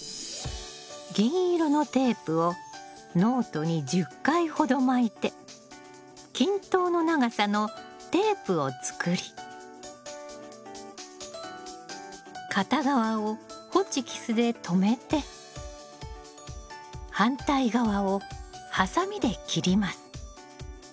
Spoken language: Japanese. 銀色のテープをノートに１０回ほど巻いて均等の長さのテープを作り片側をホチキスでとめて反対側をはさみで切ります。